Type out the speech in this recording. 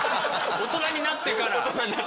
大人になってから。